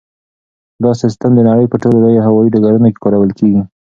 دا سیسټم د نړۍ په ټولو لویو هوایي ډګرونو کې کارول کیږي.